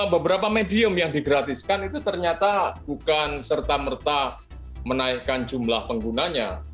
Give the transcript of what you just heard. beberapa medium yang digratiskan itu ternyata bukan serta merta menaikkan jumlah penggunanya